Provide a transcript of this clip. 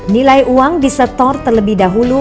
nilai uang disetor terlebih dahulu